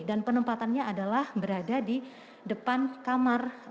dan penempatannya adalah berada di depan kamar